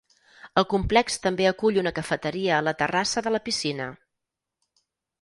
El complex també acull una cafeteria a la terrassa de la piscina.